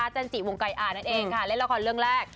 จันจิวงไก่อานั่นเองค่ะเล่นละครเรื่องแรก